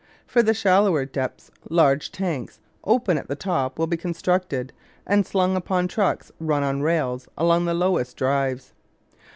For the shallower depths large tanks, open at the top, will be constructed and slung upon trucks run on rails along the lowest drives.